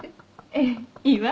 「ええいいわ」